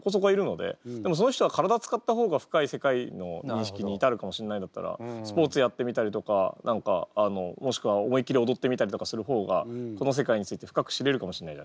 でもその人は体使った方が深い世界の認識に至るかもしれないんだったらスポーツやってみたりとかもしくは思いっきり踊ってみたりとかする方がこの世界について深く知れるかもしれないじゃない？